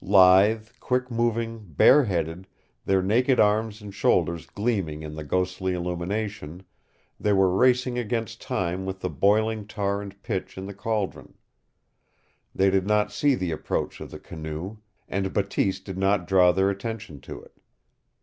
Lithe, quick moving, bare headed, their naked arms and shoulders gleaming in the ghostly illumination, they were racing against time with the boiling tar and pitch in the cauldron. They did not see the approach of the canoe, and Bateese did not draw their attention to it.